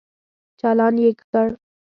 چالان يې کړ.